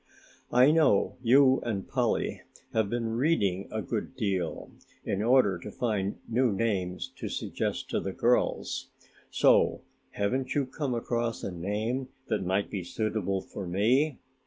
"I know you and Polly have been reading a good deal in order to find new names to suggest to the girls, so haven't you come across a name that might be suitable for me?